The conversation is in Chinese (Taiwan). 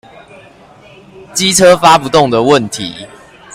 機車發不動的問題